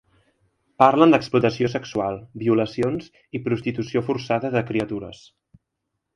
Parlen d’explotació sexual, violacions i prostitució forçada de criatures.